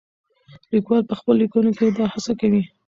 لیکوال په خپلو لیکنو کې دا هڅه کوي.